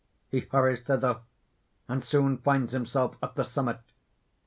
He hurries thither; and soon finds himself at the summit.